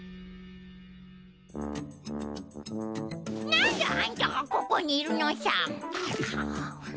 何であんたがここにいるのさ。